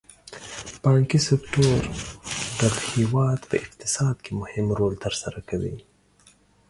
بانکي سکتور د هېواد په اقتصاد کې مهم رول تر سره کوي.